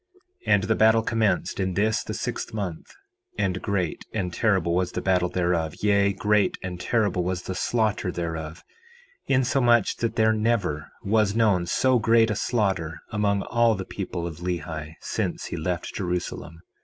4:11 And the battle commenced in this the sixth month; and great and terrible was the battle thereof, yea, great and terrible was the slaughter thereof, insomuch that there never was known so great a slaughter among all the people of Lehi since he left Jerusalem.